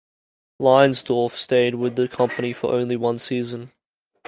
Leinsdorf stayed with the company for only one season.